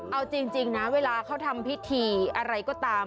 เอาจริงนะเวลาเขาทำพิธีอะไรก็ตาม